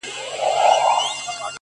• هغه خو زما کره په شپه راغلې نه ده ـ